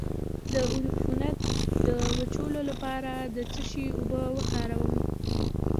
د عفونت د وچولو لپاره د څه شي اوبه وکاروم؟